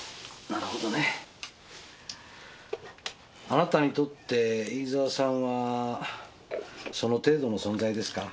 あなたにとって飯沢さんはその程度の存在ですか？